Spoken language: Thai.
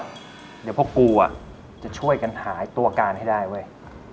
เดี๋ยวพวกกูจะช่วยกันหายตัวการให้ได้เว้ย